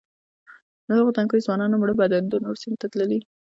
د هغو تنکیو ځوانانو مړه بدنونه د نورو سیمو ته تللي.